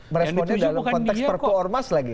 meresponsnya dalam konteks perku ormas lagi